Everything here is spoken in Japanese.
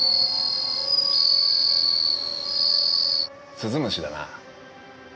鈴虫だな。